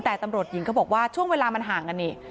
แต่ตำรวจหญิงเขาบอกว่าช่วงเวลามันห่างกันนี่